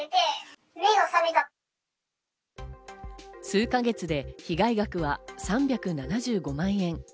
数か月で被害額は３７５万円。